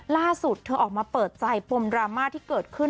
ล่าสุดเธอออกมาเปิดใจปมดราม่าที่เกิดขึ้น